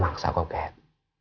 maksak kok kat